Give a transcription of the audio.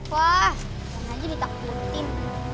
wah kan aja ditakutin